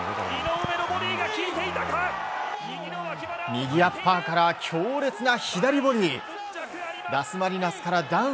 右アッパーから強烈な左ボディー。